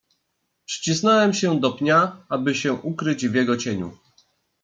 "Przycisnąłem się do pnia, aby się ukryć w jego cieniu."